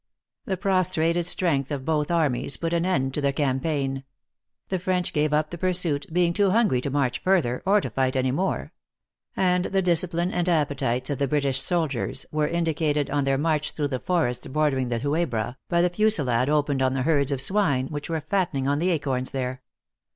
The prostrated strength of both armies put an end to the campaign. The French gave up the pursuit, being too hungry to march further, or to fight any more ; and the discipline and appetites of the British soldiers were indicated, on their march through the forests bordering the Huebra, by the fusilade opened on the herds of swine, which were fattening on the acorns there.